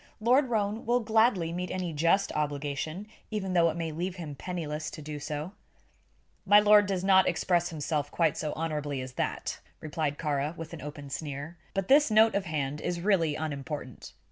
"Lord Roane will gladly meet any just obligation, even though it may leave him penniless to do so." "My lord does not express himself quite so honorably as that," replied Kāra, with an open sneer. "But this note of hand is really unimportant.